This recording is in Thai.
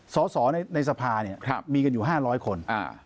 สอในสภามีกันอยู่๕๐๐คน